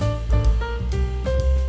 sepatahnya saat bertuj kenny